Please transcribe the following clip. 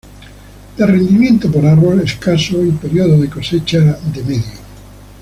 De rendimiento por árbol escaso y periodo de cosecha de medio.